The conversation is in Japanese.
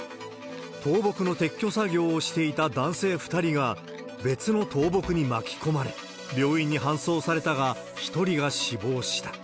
倒木の撤去作業をしていた男性２人が、別の倒木に巻き込まれ、病院に搬送されたが１人が死亡した。